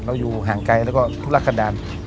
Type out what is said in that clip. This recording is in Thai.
เราอยู่ห่างไกลแล้วก็ทุลักษณ์กันดาล